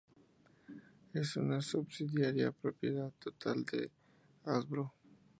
Es una subsidiaria propiedad total de Hasbro.